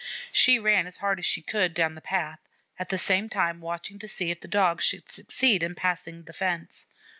She ran as hard as she could down the path, at the same time watching to see if the Dog should succeed in passing the fence.